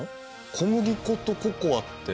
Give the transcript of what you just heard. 小麦粉とココアって。